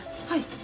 はい。